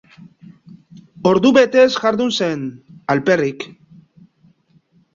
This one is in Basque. Ordu betez jardun zen, alperrik.